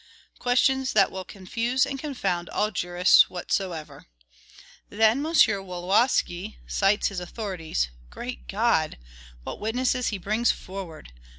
questions that will confuse and confound all jurists whatsoever. Then M. Wolowski cites his authorities. Great God! what witnesses he brings forward!